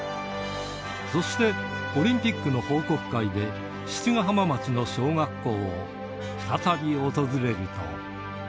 そして、オリンピックの報告会で七ヶ浜町の小学校を再び訪れると。